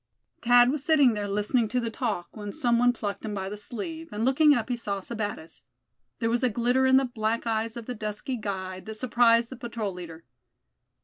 Thad was sitting there, listening to the talk, when some one plucked him by the sleeve, and looking up, he saw Sebattis. There was a glitter in the black eyes of the dusky guide that surprised the patrol leader.